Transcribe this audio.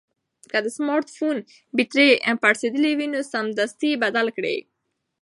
که د سمارټ فون بېټرۍ پړسېدلې وي نو سمدستي یې بدل کړئ.